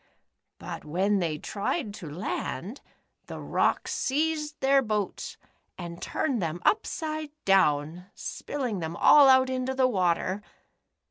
But when they tried to land, the rocks seized their boats and turned them upside down, spilling them all out into the water